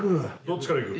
どっちからいく？